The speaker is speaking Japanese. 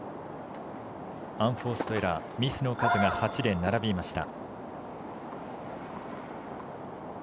アンフォーストエラーミスの数が８で並びました。